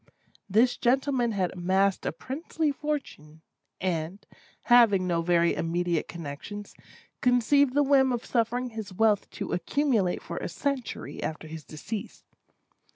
This gentlemen had amassed a princely fortune, and, having no very immediate connexions, conceived the whim of suffering his wealth to accumulate for a century after his decease.